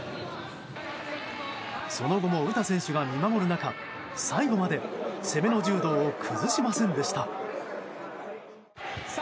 その後も、詩選手が見守る中最後まで攻めの柔道を崩しませんでした。